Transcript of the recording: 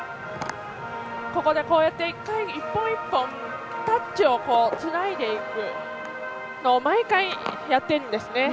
ここで１本１本タッチをつないでいくのを毎回、やっているんですね。